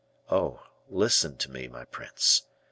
Oh! listen to me, my prince.